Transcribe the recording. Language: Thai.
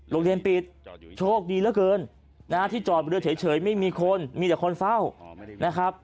โรงเรียนปิดโชคดีเหลือเกินนะฮะที่จอดเรือเฉยไม่มีคนมีแต่คนเฝ้านะครับ